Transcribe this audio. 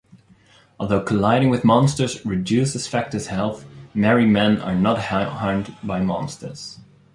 Although colliding with monsters reduces Factor's health, Merry Men are not harmed by monsters.